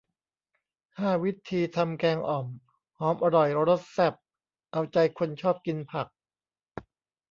ห้า วิธีทำแกงอ่อม หอมอร่อยรสแซ่บเอาใจคนชอบกินผัก